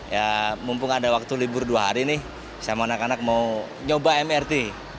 ya mumpung ada waktu libur dua hari nih sama anak anak mau nyoba mrt